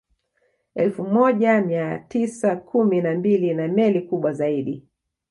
Elfu moja mia mtisa kumi na mbili na meli kubwa zaidi